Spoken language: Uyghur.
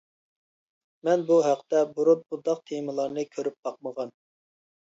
مەن بۇ ھەقتە بۇرۇن بۇنداق تېمىلارنى كۆرۈپ باقمىغان.